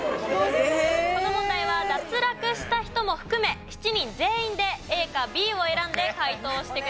この問題は脱落した人も含め７人全員でＡかＢを選んで解答してください。